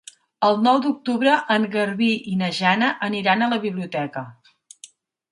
El nou d'octubre en Garbí i na Jana aniran a la biblioteca.